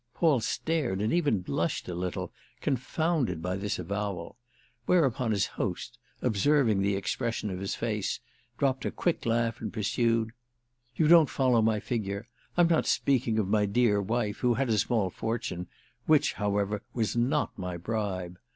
Paul stared and even blushed a little, confounded by this avowal; whereupon his host, observing the expression of his face, dropped a quick laugh and pursued: "You don't follow my figure. I'm not speaking of my dear wife, who had a small fortune—which, however, was not my bribe.